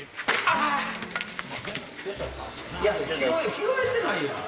拾えてないやん。